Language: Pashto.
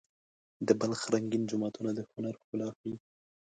د بلخ رنګین جوماتونه د هنر ښکلا ښيي.